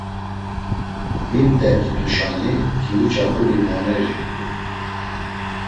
Vimt̆ert̆ituşani Tiuça guri moonerirt̆u.